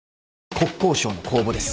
国交省の公募です。